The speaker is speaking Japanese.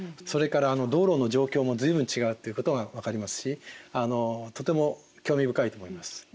それから道路の状況も随分違うということが分かりますしとても興味深いと思います。